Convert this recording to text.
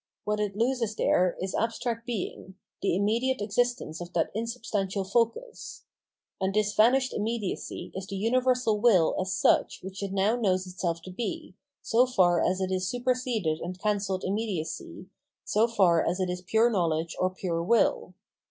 What it loses there, is abstract being, the immediate existence of that insubstantial focus ; and this vanished immediacy is the universal wiU as such which it now. knows itself to be, so far as it is superseded and cancelled immediacy, so far as it is pure knowledge or pure will.